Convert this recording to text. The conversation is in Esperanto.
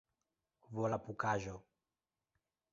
volapukaĵo